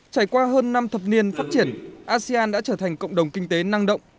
trải qua hơn năm thập niên phát triển asean đã trở thành cộng đồng kinh tế năng động